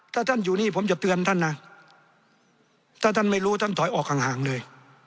ถ้าท่านอยู่นี่ผมจะเตือนท่านนะถ้าท่านไม่รู้ท่านถอยออกห่างเลย